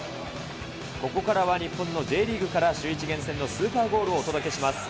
ここからは日本のＪリーグから、シューイチ厳選のスーパーゴールをお届けします。